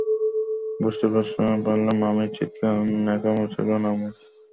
বুঝতে পারলাম মামির চিৎকার ন্যাকামো ছিল না, মূর্ছা যাওয়ার মতোই ভয়ংকর ছিল।